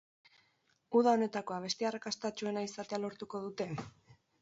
Uda honetako abesti arrakastatsuena izatea lortuko dute?